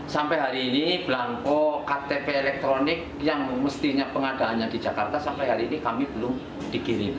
sampai hari ini belangko ktp elektronik yang mestinya pengadaannya di jakarta sampai hari ini kami belum dikirim